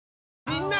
みんな！